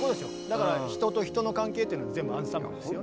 だから人と人の関係っていうのは全部アンサンブルですよね。